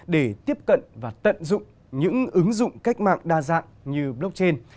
để tiếp cận và tận dụng những ứng dụng cách mạng đa dạng như blockchain